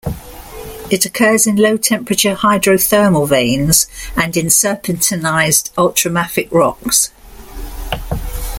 It occurs in low-temperature hydrothermal veins and in serpentinized ultramafic rocks.